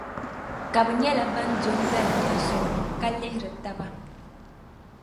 Ka bɛ nyɛla ban do n-dalim di zuɣu ka lihiri taba.